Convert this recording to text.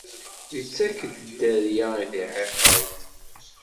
Ittak-d dderya i tɛiqert.